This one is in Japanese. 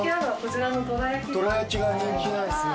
どら焼きが人気なんですね。